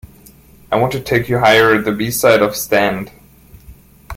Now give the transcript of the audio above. "I Want to Take You Higher", the b-side of "Stand!